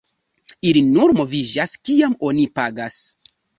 Ili nur moviĝas kiam oni pagas.